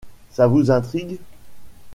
Ça vous intrigue ?